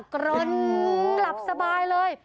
กรนกลับสบายเลย